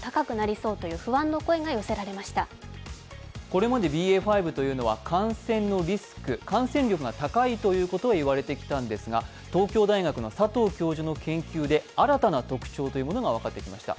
これまでＢＡ．５というのは感染のリスク、感染力が高いということは言われてきたんですが東京大学の佐藤教授の研究で新たな特徴が分かってきました。